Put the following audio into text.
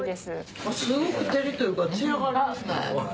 すごく照りというか。